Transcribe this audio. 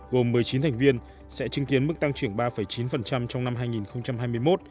gồm một mươi chín thành viên sẽ chứng kiến mức tăng trưởng ba chín trong năm hai nghìn hai mươi một